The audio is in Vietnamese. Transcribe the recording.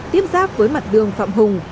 tiếp giáp với mặt đường phạm hùng